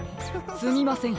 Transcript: すみません